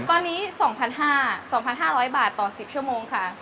ตอนนี้๒๕๐๐บาทต่อ๑๐ชั่วโมงค่ะ